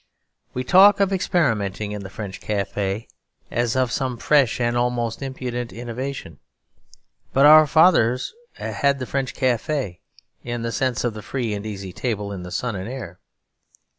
We talk of experimenting in the French café, as of some fresh and almost impudent innovation. But our fathers had the French café, in the sense of the free and easy table in the sun and air.